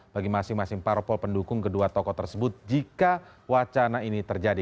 bagi masing masing parpol pendukung kedua tokoh tersebut jika wacana ini terjadi